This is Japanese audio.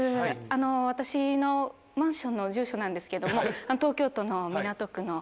あの私のマンションの住所なんですけども東京都の港区の。